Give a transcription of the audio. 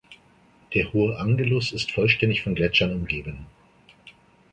Der Hohe Angelus ist vollständig von Gletschern umgeben.